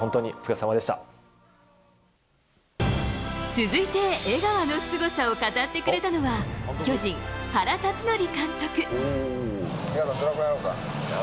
続いて江川のすごさを語ってくれたのは巨人、原辰徳監督。